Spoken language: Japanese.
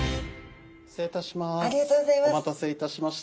失礼いたします。